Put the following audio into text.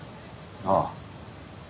ああ。